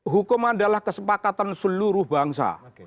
hukum adalah kesepakatan seluruh bangsa